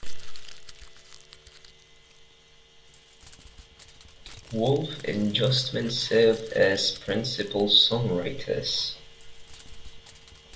Wolf and Justman served as principal songwriters.